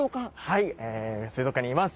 はい水族館にいます。